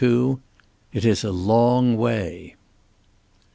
"IT IS A LONG WAY."